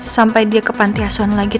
sampai dia ke panti asuhan lagi